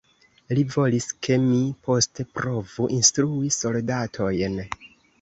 Li volis, ke mi poste provu instrui soldatojn.